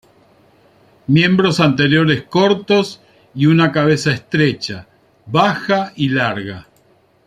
Miembros anteriores cortos y una cabeza estrecha, baja y larga.